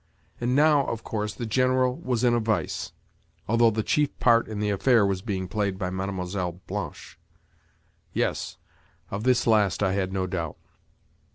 And now, of course, the General was in a vice—although the chief part in the affair was being played by Mlle. Blanche. Yes, of this last I had no doubt.